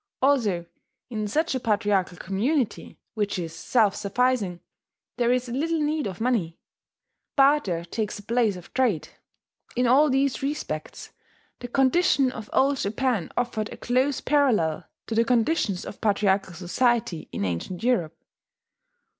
Also, in such a patriarchal community, which is self sufficing, there is little need of money: barter takes the place of trade.... In all these respects, the condition of Old Japan offered a close parallel to the conditions of patriarchal society in ancient Europe.